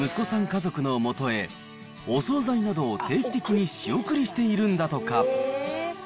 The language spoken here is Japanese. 家族のもとへ、お総菜などを定期的に仕送りしているんだとか。